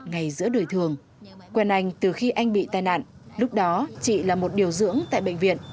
ngay giữa đời thường quen anh từ khi anh bị tai nạn lúc đó chị là một điều dưỡng tại bệnh viện